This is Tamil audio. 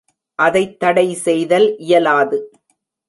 அதைத் தடை செய்தல் இயலாது.